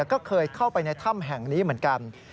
ก็เคยเข้าไปในถ้ำแห่งนี้เหมือนกัน